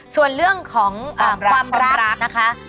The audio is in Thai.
ส่วนเรื่องของความรักนะคะ